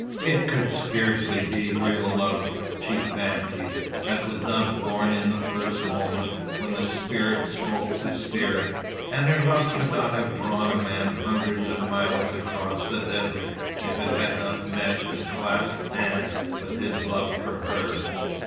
It could scarcely be real love, she fancied, that was not born in the first moment, when spirit spoke to spirit. And her love could not have drawn a man hundreds of miles across the desert, if it had not met and clasped hands with his love for her.